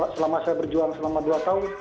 selama saya berjuang selama dua tahun